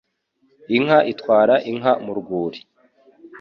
Inka itwara inka mu rwuri.